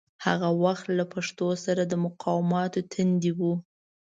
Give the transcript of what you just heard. هغه وخت له پښتو سره د مقاماتو تندي و.